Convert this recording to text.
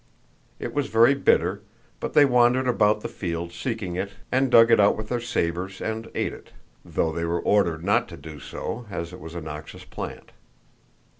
It was very bitter, but they wandered about the fields seeking it and dug it out with their sabers and ate it, though they were ordered not to do so, as it was a noxious plant.